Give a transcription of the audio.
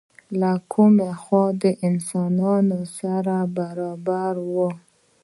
له کومې خوا انسانان سره برابر وو؟